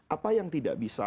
apa yang tidak bisa